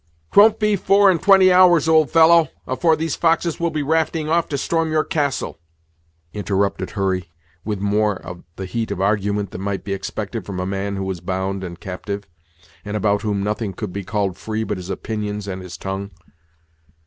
"'Twon't be four and twenty hours, old fellow, afore these foxes will be rafting off to storm your castle," interrupted Hurry, with more of the heat of argument than might be expected from a man who was bound and a captive, and about whom nothing could be called free but his opinions and his tongue.